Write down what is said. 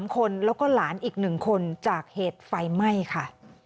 ๓คนแล้วก็หลานอีก๑คนจากเหตุไฟไหม้ค่ะ